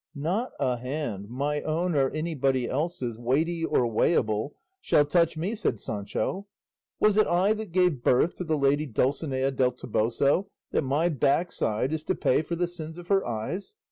"Not a hand, my own or anybody else's, weighty or weighable, shall touch me," said Sancho. "Was it I that gave birth to the lady Dulcinea del Toboso, that my backside is to pay for the sins of her eyes?